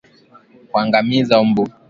Kuangamiza mbu